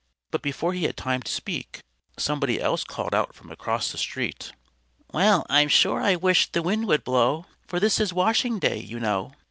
But before he had time to speak, somebody else called out from across the street: "_Well! I'm sure I wish the wind would blow, For this is washing day, you know.